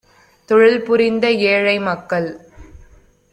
தொழில்புரிந்த ஏழைமக்கள்